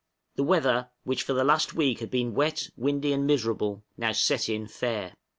The weather, which for the last week had been wet, windy, and miserable, now set in fair.